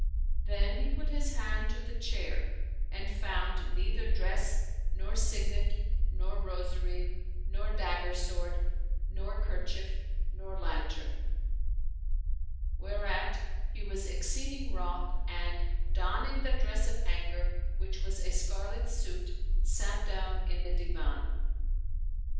Then he put his hand to the chair and found neither dress nor signet nor rosary nor dagger sword nor kerchief nor lantern; whereat he was exceeding wroth and, donning the dress of anger, which was a scarlet suit,^ sat down in the Divan.